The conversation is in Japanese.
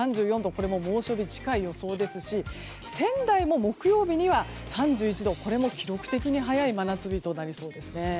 これも猛暑日近い予想ですし仙台も木曜日には３１度これも記録的に早い真夏日となりそうですね。